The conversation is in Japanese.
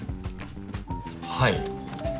はい。